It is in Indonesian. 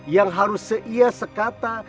yang harus seia sekata